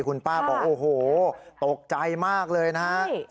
คุณป้าบอกโอ้โหตกใจมากเลยนะฮะ